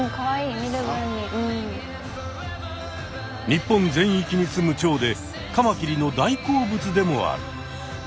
日本全域にすむチョウでカマキリの大好物でもある。